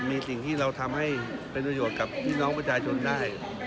มีสิ่งที่เราทำให้เป็นประโยชน์กับพี่น้องประชาชนได้